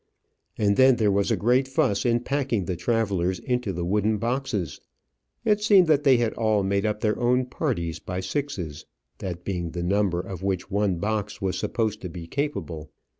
And then there was a great fuss in packing the travellers into the wooden boxes. It seems that they had all made up their own parties by sixes, that being the number of which one box was supposed to be capable.